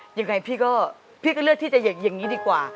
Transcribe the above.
ยังไงพี่ก็เลือกที่จะอยากอย่างนี้ดีกว่า